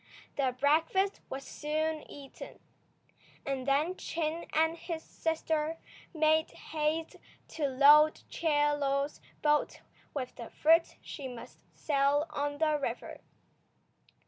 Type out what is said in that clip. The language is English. The breakfast was soon eaten, and then Chin and his sister made haste to load Chie Lo's boat with the fruit she must sell on the river.